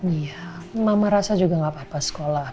iya mama rasa juga gapapa sekolah